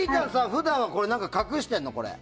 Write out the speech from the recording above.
普段は隠してるの？